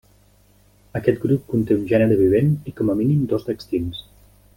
Aquest grup conté un gènere vivent i com a mínim dos d'extints.